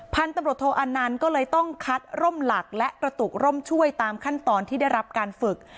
พันธุ์ตำรวจโทอานันต์ก็เลยต้องคัดร่มหลักและกระตุกร่มช่วยตามขั้นตอนที่ได้รับการฝึก